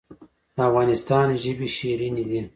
د افغانستان ژبې شیرینې دي